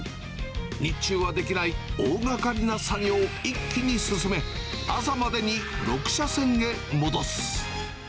日中はできない大がかりな作業を一気に進め、朝までに６車線へ戻す。